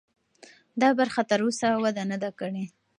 دا برخه تراوسه وده نه ده کړې.